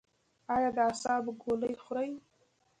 ایا د اعصابو ګولۍ خورئ؟